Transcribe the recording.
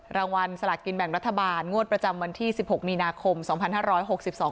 รางวัลสลากินแบ่งรัฐบาลงวดประจำวันที่สิบหกมีนาคมสองพันห้าร้อยหกสิบสอง